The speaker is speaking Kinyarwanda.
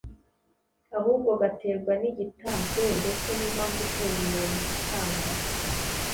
ahubwo gaterwa n’igitanzwe ndetse n’impamvu iteye umuntu gutanga.